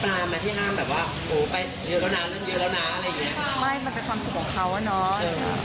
นางได้สองต่อนางก็ฮอตด้วยตอนนี้